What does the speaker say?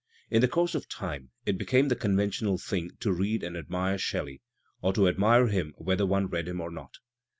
In the course of time it became the conventional thing to read and admire Shelley, or to admire him whether one read him or not.